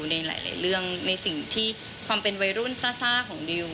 ในหลายเรื่องในสิ่งที่ความเป็นวัยรุ่นซ่าของดิว